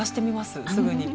すぐに。